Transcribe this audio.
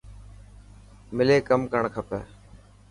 ملي ڪم ڪرڻ کپي.